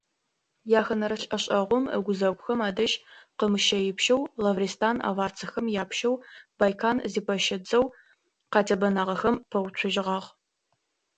Яхэнэрэ лӏэшӏэгъум ыгузэгухэм адэжь хъымыщэипщэу Лавристан аварцэхэм япщэу Байкан зипэщэ дзэу къатебэнагъэхэм пэуцужьыгъагъ.